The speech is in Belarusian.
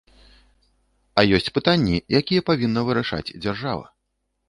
А ёсць пытанні, якія павінна вырашаць дзяржава.